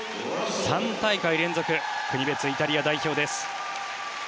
３大会連続国別イタリア代表です。